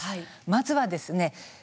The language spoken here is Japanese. まずはですね